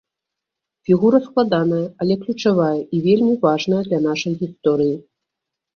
Фігура складаная, але ключавая і вельмі важная для нашай гісторыі.